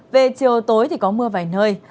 về chiều tối thì có mưa vài nơi